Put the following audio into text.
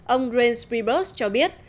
ông reince priebus cho biết